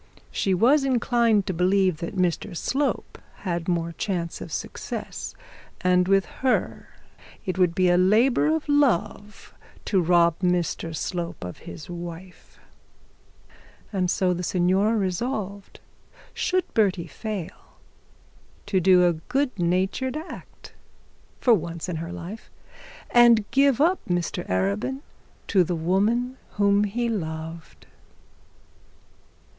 She was inclined to believe that Mr Slope had more chance of success; and with her it would be a labour of love to rob Mr Slope of his wife. And so the signora resolved, should Bertie fail, to do a good natured act for once in her life, and give up Mr Arabin to the woman whom he loved.